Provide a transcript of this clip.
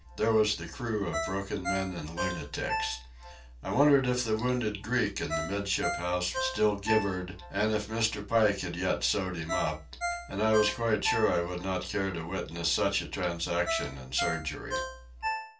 There was the crew of broken men and lunatics. I wondered if the wounded Greek in the 'midship house still gibbered, and if Mr. Pike had yet sewed him up; and I was quite sure I would not care to witness such a transaction in surgery.